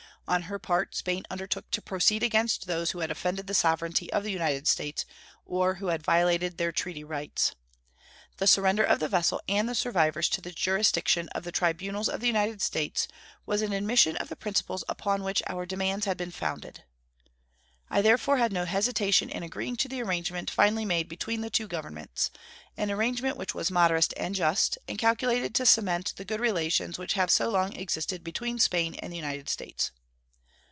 On her part Spain undertook to proceed against those who had offended the sovereignty of the United States, or who had violated their treaty rights. The surrender of the vessel and the survivors to the jurisdiction of the tribunals of the United States was an admission of the principles upon which our demands had been founded. I therefore had no hesitation in agreeing to the arrangement finally made between the two Governments an arrangement which was moderate and just, and calculated to cement the good relations which have so long existed between Spain and the United States.